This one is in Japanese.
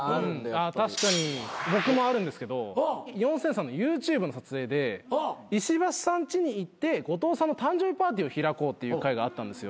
確かに僕もあるんですけど四千さんのＹｏｕＴｕｂｅの撮影で石橋さんちに行って後藤さんの誕生日パーティーを開こうっていう回があったんですよ。